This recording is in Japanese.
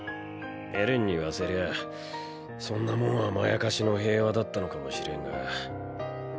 エレンに言わせりゃそんなもんはまやかしの平和だったのかもしれんが。